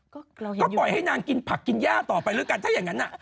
ก็พอให้นางกินผักกินยาต่อไปเรื่อยกันถ้าอย่างนั้น